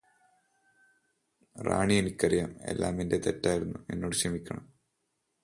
റാണി എനിക്കറിയാം എല്ലാം എന്റെ തെറ്റായിരുന്നു എന്നോട് ക്ഷമിക്കണം